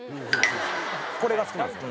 これが好きなんですよ。